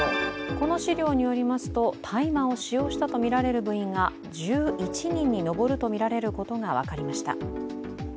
この資料によりますと大麻を使用したとみられる部員が１１人に上るとみられることが分かりました。